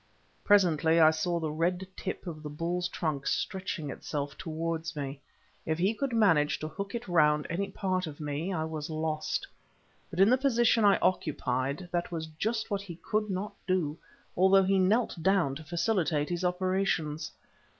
Presently I saw the red tip of the bull's trunk stretching itself towards me. If he could manage to hook it round any part of me I was lost. But in the position I occupied, that was just what he could not do, although he knelt down to facilitate his operations.